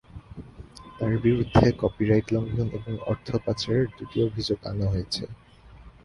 তাঁর বিরুদ্ধে কপিরাইট লঙ্ঘন এবং অর্থ পাচারের দুটি অভিযোগ আনা হয়েছে।